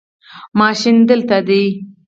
ماشین دلته دی